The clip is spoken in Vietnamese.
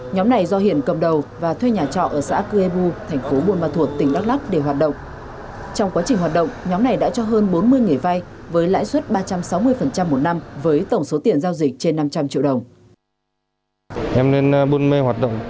nhóm này do hiển cầm đầu và thuê nhà trọ ở xã cuebu thành phố buôn ma thuột tỉnh đắc lộc để hoạt động